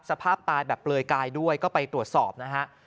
สภาพตายแบบเปลือยกายด้วยก็ไปตรวจสอบนะฮะ